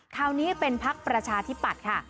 คราวนี้เป็นพักประชาธิปัตย์ค่ะ